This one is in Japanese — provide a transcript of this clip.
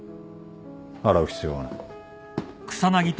洗う必要はない。